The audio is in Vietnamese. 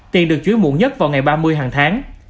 tiền được chú ý muộn nhất vào ngày ba mươi hàng tháng